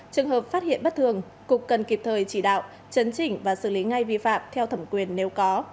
trường hợp phát hiện bất thường cục cần kịp thời chỉ đạo chấn chỉnh và xử lý ngay vi phạm theo thẩm quyền nếu có